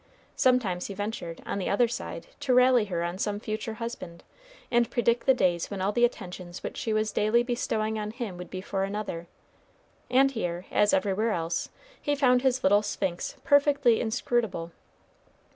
Sometimes he ventured, on the other side, to rally her on some future husband, and predict the days when all the attentions which she was daily bestowing on him would be for another; and here, as everywhere else, he found his little Sphinx perfectly inscrutable.